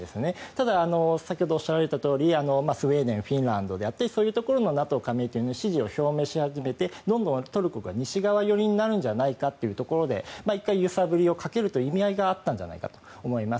ただ、先ほどおっしゃったとおりスウェーデンフィンランドであったりそういうところのＮＡＴＯ加盟に支持を表明し始めてどんどんトルコが西側寄りになるんじゃないかというところで１回揺さぶりをかけるという意味合いがあったんじゃないかと思います。